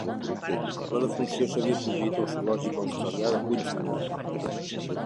La defunció s'havia produït al zoològic australià de Queensland.